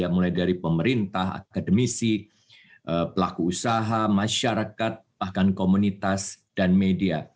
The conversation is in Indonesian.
mulai dari pemerintah akademisi pelaku usaha masyarakat bahkan komunitas dan media